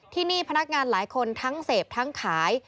ที่นี่พนักงานหลายคนทั้งเสพทั้งขาย